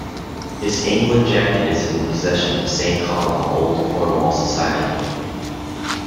His England jacket is in the possession of Saint Columb Old Cornwall Society.